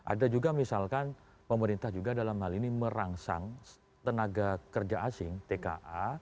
ada juga misalkan pemerintah juga dalam hal ini merangsang tenaga kerja asing tka